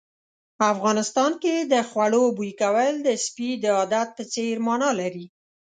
افغانستان کې د خوړو بوي کول د سپي د عادت په څېر مانا لري.